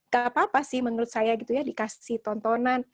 gak apa apa sih menurut saya dikasih tontonan